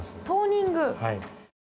トーニング？